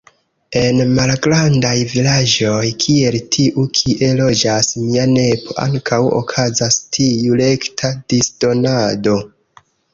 En malgrandaj vilaĝoj, kiel tiu kie loĝas mia nepo ankaŭ okazas tiu rekta disdonado.